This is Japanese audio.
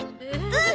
うん。